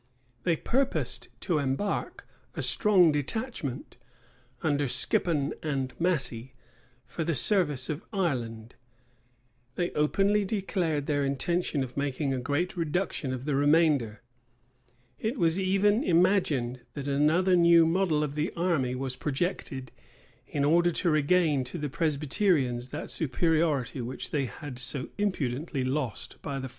They purposed to embark a strong detachment, under Skippon and Massey, for the service of Ireland; they openly declared their intention of making a great reduction of the remainder.[*] It was even imagined that another new model of the army was projected, in order to regain to the Presbyterians that superiority which they had so imprudently lost by the former.